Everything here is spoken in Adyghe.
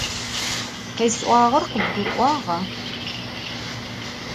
Khes'uağer khıbgurı'uağa?